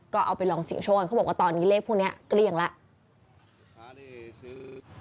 ก็เอาไปลองเสี่ยงโชคเขาบอกว่าตอนนี้เลขพวกนี้เกลี้ยงแล้ว